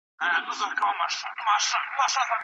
اورخونه کي اور بل دی.